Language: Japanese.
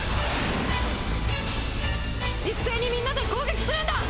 一斉にみんなで攻撃するんだ！